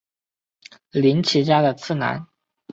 绫崎家的次男。